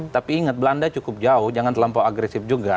tapi ingat belanda cukup jauh jangan terlampau agresif juga